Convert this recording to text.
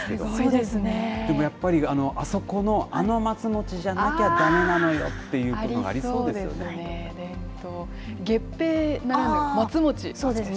でもやっぱり、あそこのあの松餅じゃなきゃ、だめなのよっていうことがありそうですね。